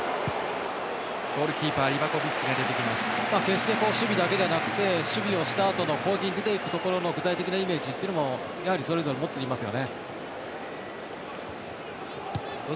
決して守備だけではなくて守備をしたあと出ていくというところの具体的なイメージというのもそれぞれ持っていますよね。